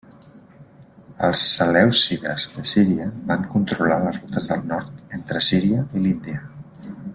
Els selèucides de Síria van controlar les rutes del nord entre Síria i l'Índia.